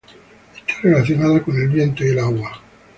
Está relacionada con el viento y el agua.